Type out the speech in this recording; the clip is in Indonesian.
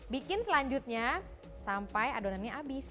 bikin selanjutnya sampai adonannya habis